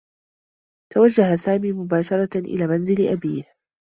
توجّه سامي مباشرة إلى منزل أبيه.